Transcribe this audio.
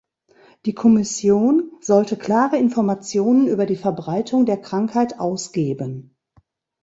Die Kommission sollte klare Informationen über die Verbreitung der Krankheit ausgeben.